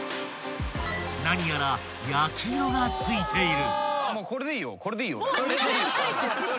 ［何やら焼き色が付いている］